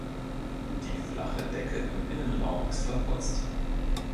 Die flache Decke im Innenraum ist verputzt.